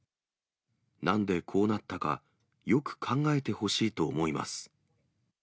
なんでこうなったか、よく考えてほしいと思います。